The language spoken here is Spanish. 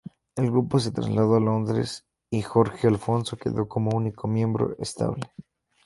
El grupo se trasladó a Londres y Jorge Alfonso quedó como único miembro estable.